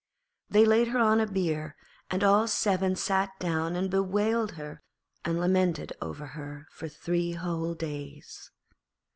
They laid her on a bier, and all seven sat down and bewailed her and lamented over her for three whole days.